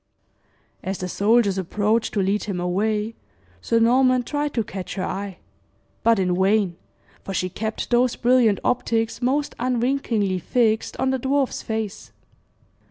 As the soldiers approached to lead him away, Sir Norman tried to catch her eye; but in vain, for she kept those brilliant optics most unwinkingly fixed on the dwarf's face.